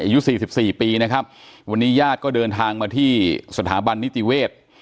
อายุสี่สิบสี่ปีนะครับวันนี้ญาติก็เดินทางมาที่สถาบันนิติเวศ